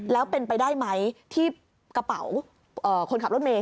แล้วเป็นไปได้ไหมที่กระเป๋าคนขับรถเมย